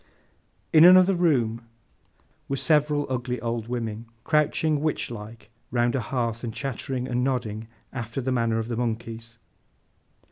In another room, were several ugly old women crouching, witch like, round a hearth, and chattering and nodding, after the manner of the monkeys.